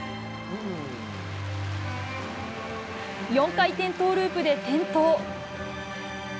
４回転トウループで転倒。